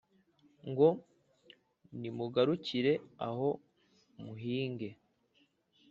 Ngo: "Nimugarukire aho muhinge